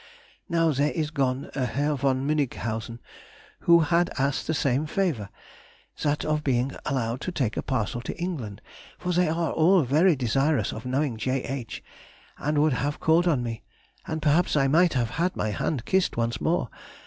Now, there is gone a Herr von Münighausen, who had asked the same favour, [that of being allowed to take a parcel to England] for they are all very desirous of knowing J. H., and would have called on me, and perhaps I might have had my hand kissed once more.